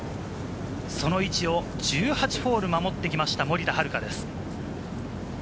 その位置を１８ホール守ってきました、森田遥です。